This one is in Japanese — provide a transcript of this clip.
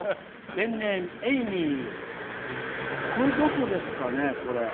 ペンネーム、えいみー。これ、どこですかね。